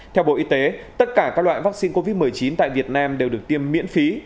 theo bộ y tế tất cả các loại vaccine covid một mươi chín tại việt nam đều được tiêm miễn phí